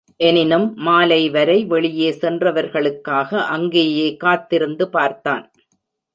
எனினும், மாலை வரை வெளியே சென்றவர்களுக்காக அங்கேயே காத்திருந்து பார்த்தான்.